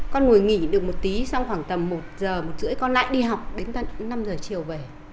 con ngồi nghỉ được một tí xong khoảng tầm một giờ một rưỡi con lại đi học đến năm giờ chiều về